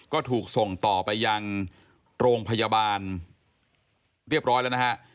ก็ถูกส่งต่อไปยังโรงพยาบาลเรียบร้อยแล้วนะฮะ